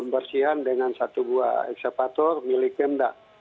bersihan dengan satu buah eksepator milik bemda